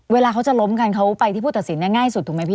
เวลาเขาจะล้มกันเขาไปที่ผู้ตัดสินง่ายสุดถูกไหมพี่